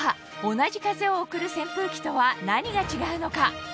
同じ風を送る扇風機とは何が違うのか？